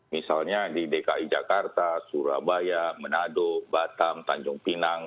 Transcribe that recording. misalnya di dki jakarta surabaya menado batam tanjung pinang